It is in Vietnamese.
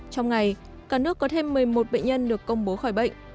trong ngày cả nước có thêm một mươi một bệnh nhân được công bố khỏi bệnh